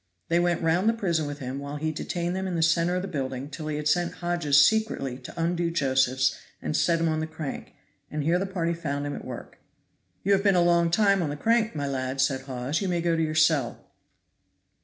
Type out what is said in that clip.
They went round the prison with him, while he detained them in the center of the building till he had sent Hodges secretly to undo Josephs and set him on the crank; and here the party found him at work. "You have been a long time on the crank, my lad," said Hawes, "you may go to your cell."